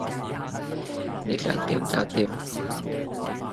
你想點就點